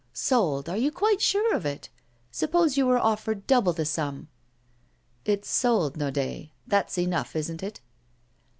Sold, are you quite sure of it? Suppose you were offered double the sum?' 'It's sold, Naudet. That's enough, isn't it?